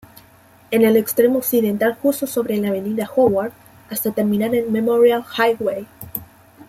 En el extremo occidental justo sobre la Avenida Howard, hasta terminar en Memorial Highway.